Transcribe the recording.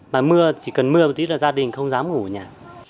mà mưa chỉ cần mưa một tí là gia đình không dám ngủ ở nhà